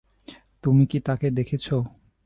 তুমি কি তাকে দেখেছ?